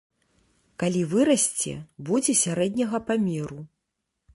Калі вырасце, будзе сярэдняга памеру.